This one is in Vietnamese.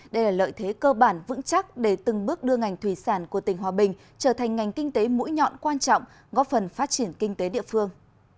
đây là lợi thế cơ bản vững chắc để từng bước đưa ngành thủy sản của tỉnh hòa bình trở thành ngành kinh tế mũi nhọn quan trọng góp phần phát triển kinh tế địa phương